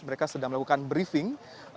mereka sedang melakukan briefing